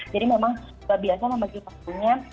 jadi memang kita biasa membagi waktu nya